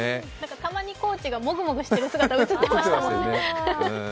たまにコーチがもぐもぐしてる姿、映ってましたよね。